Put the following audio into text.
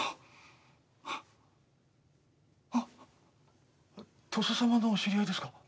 あっ鳥栖様のお知り合いですか？